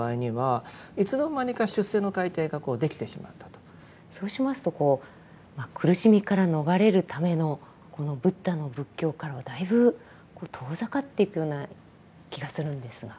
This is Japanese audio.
ですからいつの間にかそうしますと苦しみから逃れるためのこのブッダの仏教からはだいぶ遠ざかっていくような気がするんですが。